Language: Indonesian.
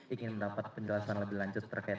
ingin mendapat penjelasan lebih lanjut terkait